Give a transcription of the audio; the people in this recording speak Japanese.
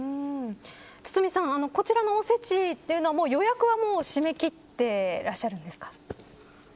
堤さん、こちらのおせちというのは予約はもう締め切ってらっしゃるんですか。